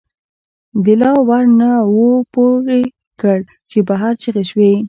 دَ لا ور نه وو پورې کړ، چې بهر چغې شوې